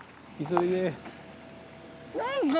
急いで。